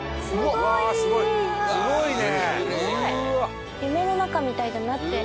すごいね！